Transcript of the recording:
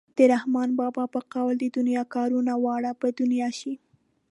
د رحمان بابا په قول د دنیا کارونه واړه په دنیا شي.